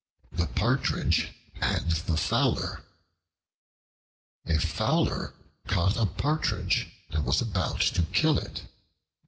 The Partridge and the Fowler A FOWLER caught a Partridge and was about to kill it.